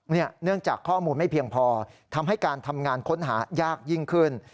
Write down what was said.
เนื่องจากข้อมูลไม่เพียงพอทำให้การทำงานค้นหายากยิ่งขึ้น